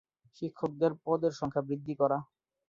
শিক্ষকদের পদের সংখ্যা বৃদ্ধি করা।